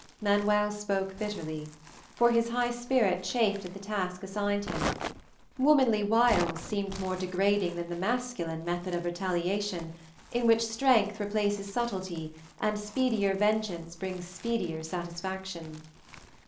Manuel spoke bitterly, for his high spirit chafed at the task assigned him; womanly wiles seemed more degrading than the masculine method of retaliation, in which strength replaces subtlety and speedier vengeance brings speedier satisfaction.